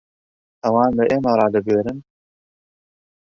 ئەوان بە ئێمە ڕادەبوێرن؟